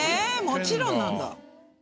「もちろん」なんだ。